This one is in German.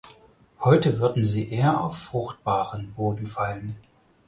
Heute würden sie eher auf fruchtbaren Boden fallen.